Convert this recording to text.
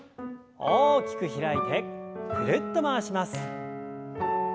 大きく開いてぐるっと回します。